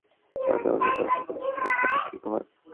তারা তোমাকে প্রশ্ন করেছে তোমার প্রতিপালক কি ঘুমান?